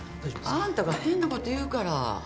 あんたが変なこと言うから。